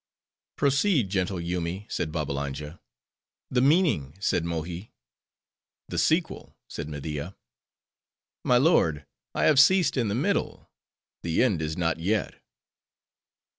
"Proceed, gentle Yoomy," said Babbalanja. "The meaning," said Mohi. "The sequel," said Media. "My lord, I have ceased in the middle; the end is not yet."